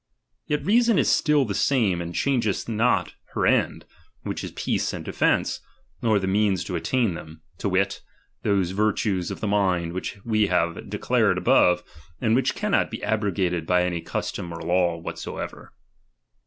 Yet reason is still the cu. same, and changetli not her end, which is peace and defence, nor the means to attain them, to wit, those virtues of the initid which we have de clared ai)ove, and which cannot be abrogated by any custom or law whatsoever.